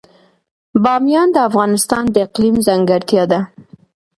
بامیان د افغانستان د اقلیم ځانګړتیا ده.